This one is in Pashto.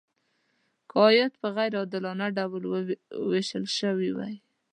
که عاید په غیر عادلانه ډول ویشل شوی وي.